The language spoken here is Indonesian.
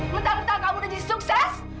mereka tahu kamu sudah sukses